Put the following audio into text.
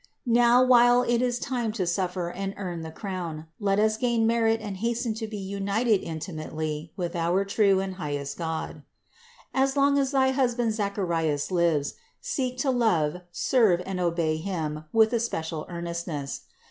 Now, while it is time to suffer and earn the crown, let us gain merit and hasten to be united intimately with our true and highest God." 286. "As long as thy husband Zacharias lives, seek to love, serve and obey him with especial earnestness.